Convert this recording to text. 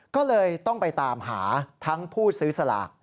ก็เลยต้องไปตามหาทั้งผู้ซื้อสลาก